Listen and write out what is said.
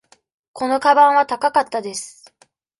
このかばんは高かったです。